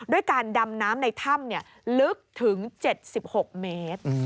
ด้วยการดำน้ำในถ้ำลึกถึง๗๖เมตร